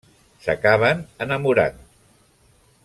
S'acaben enamorant.